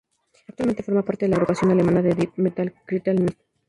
Actualmente forma parte de la agrupación alemana de death metal Critical Mess.